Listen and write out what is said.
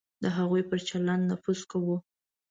د هغوی پر چلند نفوذ کوو.